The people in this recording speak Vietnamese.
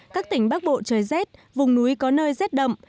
các tỉnh bắc bộ trời rét vùng núi có nơi rét đậm